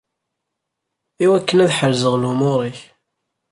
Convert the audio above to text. Iwakken ad ḥerzeɣ lumuṛ-ik.